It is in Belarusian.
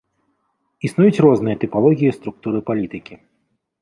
Існуюць розныя тыпалогіі структуры палітыкі.